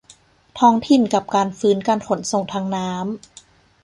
ท้องถิ่นกับการฟื้นการขนส่งทางน้ำ